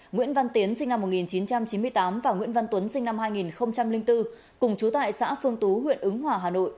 nguyễn văn tiến sinh năm một nghìn chín trăm chín mươi tám và nguyễn văn tuấn sinh năm hai nghìn bốn cùng chú tại xã phương tú huyện ứng hòa hà nội